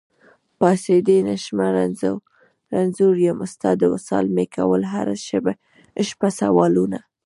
پاڅېدی نشمه رنځور يم، ستا د وصال مي کول هره شپه سوالونه